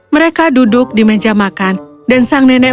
mereka duduk di meja makan dan sang nenek